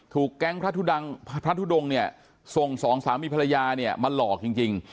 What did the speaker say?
แก๊งพระทุดงเนี่ยส่งสองสามีภรรยาเนี่ยมาหลอกจริง